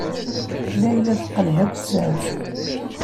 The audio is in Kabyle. Layla teqqel d akessar.